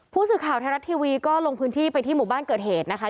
ผู้สื่อข่าวไทยรัฐทีวีก็ลงพื้นที่ไปที่หมู่บ้านเกิดเหตุนะคะ